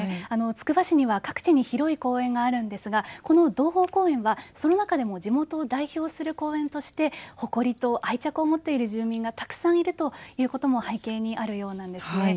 つくば市には各地に広い公園があるんですがこの洞峰公園は、その中でも地元を代表する公園として誇りと愛着を持っている住民がたくさんいるということも背景にあるようなんですね。